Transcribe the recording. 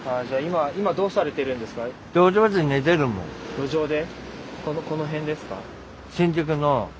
路上で？